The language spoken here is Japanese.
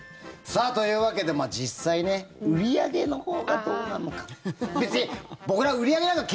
さあ、というわけで実際ね、売り上げのほうがどうなのか。